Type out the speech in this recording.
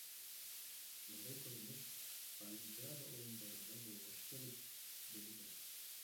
Мындай көрүнүш Олимпиада оюндарында болбош керек, — деди Бах.